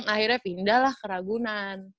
akhirnya pindah lah ke ragunan